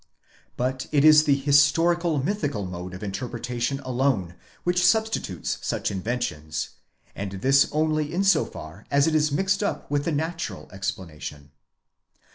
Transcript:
But it is the Azstorica7 mythical mode of interpretation alone which substi tutes such inventions, and this only in so far as it is mixed up with the natural explanation.)